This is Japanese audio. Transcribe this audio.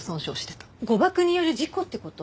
誤爆による事故って事？